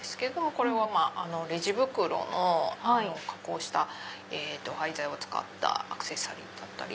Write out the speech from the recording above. これはレジ袋を加工した廃材を使ったアクセサリーだったり。